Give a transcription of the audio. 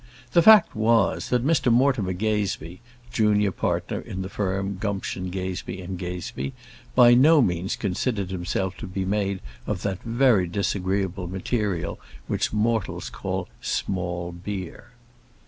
The fact was, that Mr Mortimer Gazebee, junior partner in the firm Gumption, Gazebee & Gazebee, by no means considered himself to be made of that very disagreeable material which mortals call small beer.